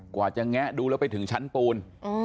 กว่าจะแงะดูแล้วไปถึงชั้นปูน